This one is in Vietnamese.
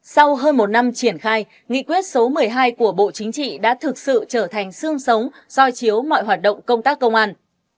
sau hơn một năm triển khai nghị quyết số một mươi hai của bộ chính trị đã thực sự trở thành xương sống soi chiếu mọi hoạt động công tác công an